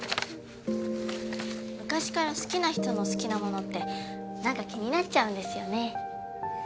昔から好きな人の好きなものってなんか気になっちゃうんですよねぇ。